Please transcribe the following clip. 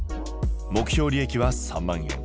目標利益は３万円。